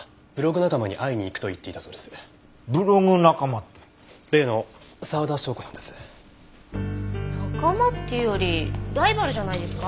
仲間っていうよりライバルじゃないですか？